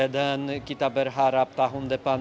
dan kita berharap tahun depan